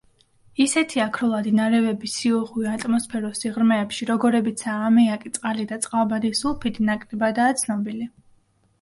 ისეთი აქროლადი ნარევების სიუხვე ატმოსფეროს სიღრმეებში, როგორებიცაა ამიაკი, წყალი და წყალბადის სულფიდი, ნაკლებადაა ცნობილი.